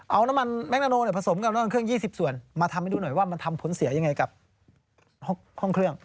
เอาน้ำมันแมคนโนผสมกับน้ำมันเครื่อง๒๐ส่วนมาทำให้ดูหน่อยว่ามันทำผลเสียยังไงกับห้องเครื่อง